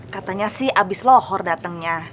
katanya sih abis lohor datengnya